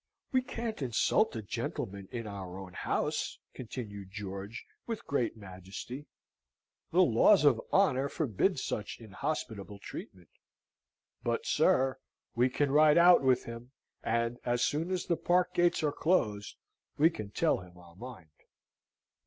"We can't insult a gentleman in our own house," continued George, with great majesty; "the laws of honour forbid such inhospitable treatment. But, sir, we can ride out with him, and, as soon as the park gates are closed, we can tell him our mind."